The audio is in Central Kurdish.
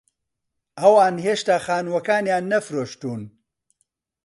ئەوان هێشتا خانووەکانیان نەفرۆشتوون.